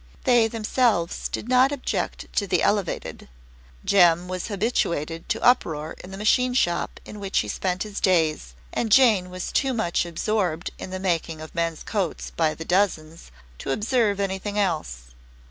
They themselves did not object to the "Elevated"; Jem was habituated to uproar in the machine shop, in which he spent his days, and Jane was too much absorbed in the making of men's coats by the dozens to observe anything else.